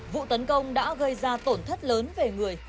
vụ tấn công đã gây ra tổn thất lớn về người